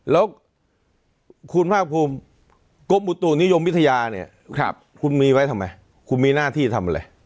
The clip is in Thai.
แล้วคุณภาคภูมิกรมอุตุนิยมวิทยาเนี่ยคุณมีไว้ทำไมคุณมีหน้าที่ทำอะไร